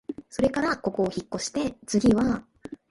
それからここをひっこして、つぎは、